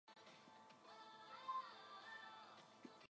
The fourth emphasizes his experience with space and materiality.